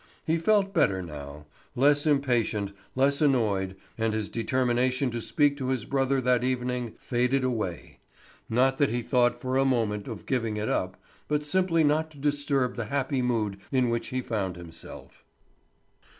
He felt better now, less impatient, less annoyed, and his determination to speak to his brother that very evening faded away; not that he thought for a moment of giving it up, but simply not to disturb the happy mood in which he found himself.